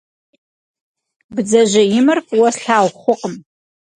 Бдзэжьеимэр фӏыуэ слъагъу хъукъым.